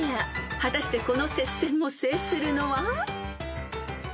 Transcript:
［果たしてこの接戦を制するのは？］